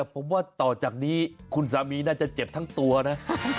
ผมว่าต่อจากนี้คุณสามีน่าจะเจ็บทั้งตัวนะ